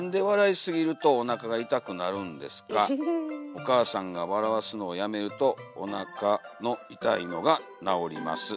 おかあさんがわらわすのをやめるとおなかのいたいのがなおります。